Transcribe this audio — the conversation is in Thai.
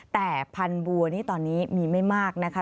แต่พันบัวนี่ตอนนี้มีไม่มากนะคะ